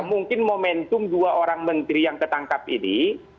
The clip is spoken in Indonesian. mungkin momentum dua orang menteri yang ketangkap ini